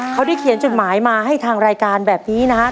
เขาได้เขียนจดหมายมาให้ทางรายการแบบนี้นะฮะ